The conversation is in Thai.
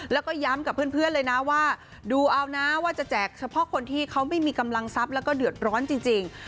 แล้วก็ย้ำกับเพื่อนเลยนะว่าดูเอานะว่าจะแจกเฉพาะคนที่เขาไม่มีกำลังทรัพย์แล้วก็เดือดร้อนจริง